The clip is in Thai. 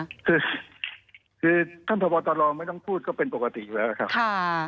คือคือท่านพบตรไม่ต้องพูดก็เป็นปกติอยู่แล้วครับ